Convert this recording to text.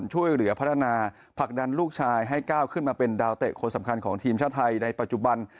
ช่วยเหลือพัฒนาผลักดันลูกชายให้ก้าวขึ้นมาเป็นดาวเตะคนสำคัญของทีมชาติไทยในปัจจุบัน